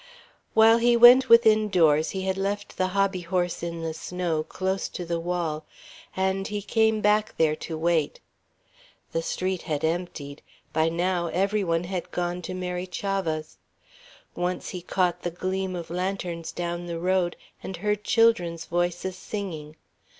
While he went within doors he had left the hobbyhorse in the snow, close to the wall; and he came back there to wait. The street had emptied. By now every one had gone to Mary Chavah's. Once he caught the gleam of lanterns down the road and heard children's voices singing.